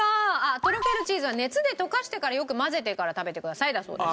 「とろけるチーズは熱で溶かしてからよく混ぜてから食べてください」だそうです。